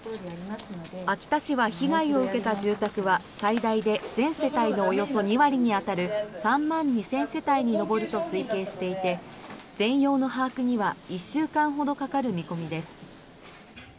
秋田市は被害を受けた住宅は最大で全世帯のおよそ２割に当たる３万２０００世帯に上ると推計していて全容の把握には１週間ほどかかる見込みです。